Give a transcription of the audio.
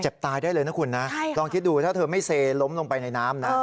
ตายได้เลยนะคุณนะลองคิดดูถ้าเธอไม่เซล้มลงไปในน้ำนะ